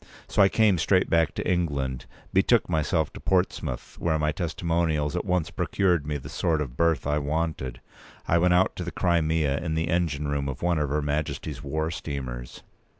So I came straight back to England; betook myself to Portsmouth, where my testimonials at once procured me the sort of berth I wanted. I went out to the Crimea in the engine room of one of her Majesty's war steamers.